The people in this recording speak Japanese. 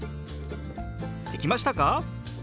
できましたか？